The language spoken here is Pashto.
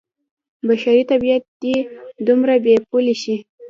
بشري طبعیت دې دومره بې پولې شي.